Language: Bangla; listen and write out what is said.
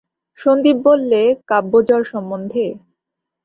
সন্দীপ বললে, কাব্যজ্বর সম্বন্ধে?